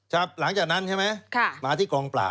หลังจากนั้นใช่ไหมมาที่กองปราบ